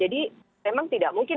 jadi memang tidak mungkin